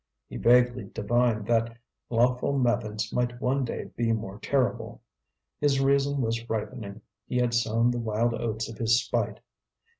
He vaguely divined that lawful methods might one day be more terrible. His reason was ripening, he had sown the wild oats of his spite.